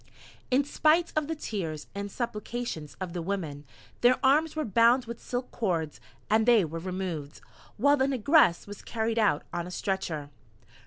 In spite of the tears and supplications of the women, their arms were bound with silk cords, and they were removed, while the Negress was carried out on a stretcher.